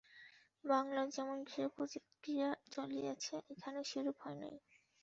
বাঙলায় যেমন ক্রিয়া-প্রতিক্রিয়া চলিয়াছে, এখানে সেরূপ হয় নাই।